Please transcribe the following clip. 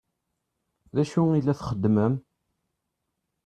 D acu i la txeddmem?